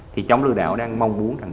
thì chống lừa đảo đang mong muốn